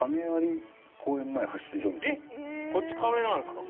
『こち亀』なんですか？